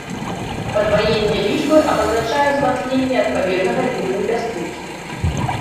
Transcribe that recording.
Падваенне лічбы, абазначае ўзмацненне адпаведнага віду небяспекі.